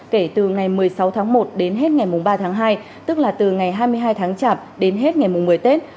kể từ ngày một mươi sáu tháng một đến hết ngày ba tháng hai tức là từ ngày hai mươi hai tháng chạp đến hết ngày một mươi tết